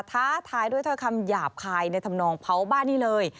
ท้าทายด้วยถ้อยคำหยาบคายในธรรมนองเผาบ้านนี่เลย